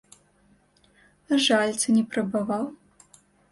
А жаліцца не прабаваў?